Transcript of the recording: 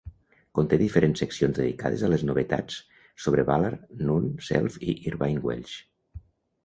Conté diferents seccions dedicades a les novetats sobre Ballard, Noon, Self i Irvine Welsh.